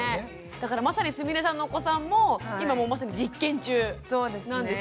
だからまさにすみれさんのお子さんも今もうまさに実験中なんですね。